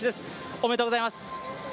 おめでとうございます。